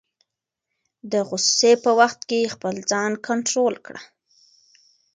د غصې په وخت کې خپل ځان کنټرول کړه.